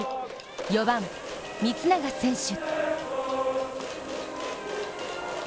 ４番・光永選手。